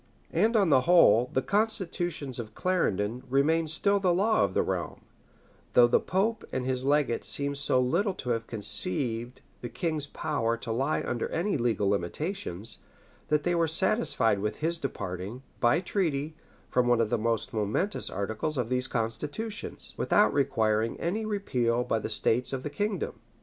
And on the whole, the constitutions of Clarendon remained still the law of the realm; though the pope and his legates seem so little to have conceived the king's power to lie under any legal limitations, that they were satisfied with his departing, by treaty, from one of the most momentous articles of these constitutions, without requiring any repeal by the states of the kingdom.